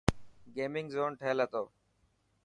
گيمنگ زون ٺهيل هتو.